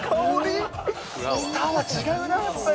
スターは違うな、やっぱり。